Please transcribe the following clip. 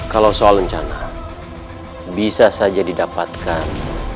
kalau soal rencana bisa saja didapatkan